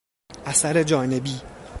اثر جانبی